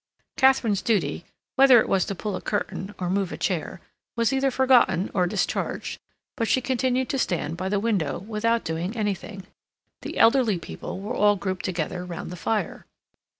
Katharine's duty, whether it was to pull a curtain or move a chair, was either forgotten or discharged, but she continued to stand by the window without doing anything. The elderly people were all grouped together round the fire.